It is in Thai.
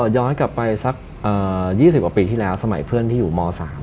ย้อนกลับไปสัก๒๐กว่าปีที่แล้วสมัยเพื่อนที่อยู่ม๓